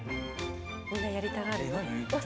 みんなやりたがる。